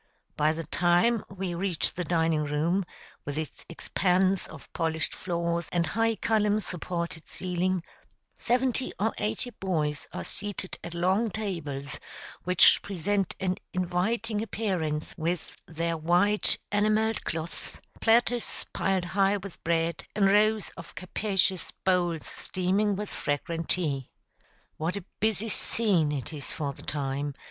[Illustration: AT SUPPER.] By the time we reach the dining room, with its expanse of polished floors and high column supported ceiling, seventy or eighty boys are seated at long tables, which present an inviting appearance with their white enamelled cloths, platters piled high with bread, and rows of capacious bowls steaming with fragrant tea. What a busy scene it is for the time!